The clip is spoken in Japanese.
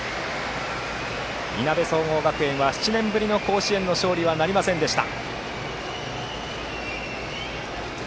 いなべ総合学園は７年ぶりの甲子園の勝利はなりませんでした。